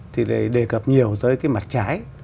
thì đề cập nhiều tới cái mặt trái